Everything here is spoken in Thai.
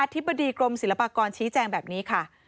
ธิบดีกรมศิลปากรชี้แจงแบบนี้ค่ะ